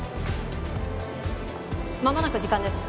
まもなく時間です。